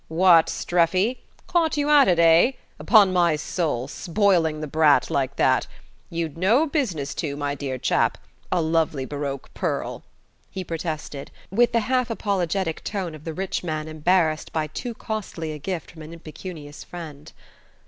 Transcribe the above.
"What, Streffy? Caught you at it, eh? Upon my soul spoiling the brat like that! You'd no business to, my dear chap a lovely baroque pearl " he protested, with the half apologetic tone of the rich man embarrassed by too costly a gift from an impecunious friend.